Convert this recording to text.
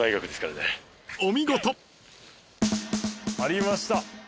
［お見事］ありました。